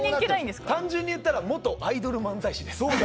単純に言うと元アイドル漫才師です。